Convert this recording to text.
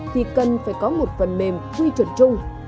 thì cần phải có một phần mềm quy chuẩn chung